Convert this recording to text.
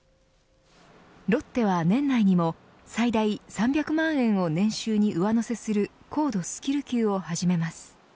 ロッテは年内にも最大３００万円を年収に上乗せする高度スキル給を始めます。